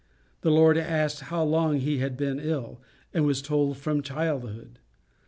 The Lord asked how long he had been ill, and was told, from childhood.